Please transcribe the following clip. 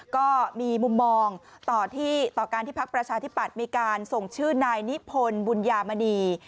ก็มีมุมมองต่อการที่พักประชาธิปัตย์มีการส่งชื่อนายนิพนธ์บุญญามณี